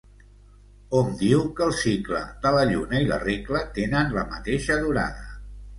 Hom diu que el cicle de la lluna i la regla tenen la mateixa durada.